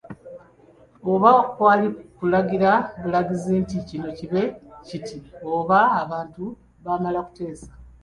Oba kwali kulagira bulagizi nti kino kibe kiti oba abantu baamala kuteesa.